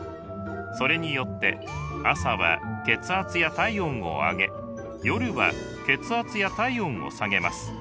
それによって朝は血圧や体温を上げ夜は血圧や体温を下げます。